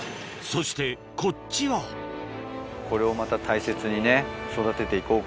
そしてこっちはこれをまた大切にね育てて行こうか。